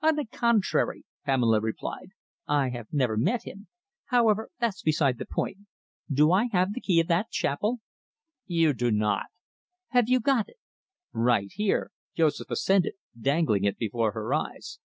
"On the contrary," Pamela replied, "I have never met him. However, that's beside the point. Do I have the key of that chapel?" "You do not." "Have you got it?" "Right here," Joseph assented, dangling it before her eyes.